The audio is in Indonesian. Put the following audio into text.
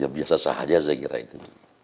ya biasa saja saya kira itu